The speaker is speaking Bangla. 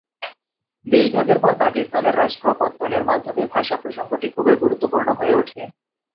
দেশভাগের পর পাকিস্তান রাষ্ট্র পত্তনের মাধ্যমে ভাষা প্রসঙ্গটি খুবই গুরুত্বপূর্ণ হয়ে ওঠে।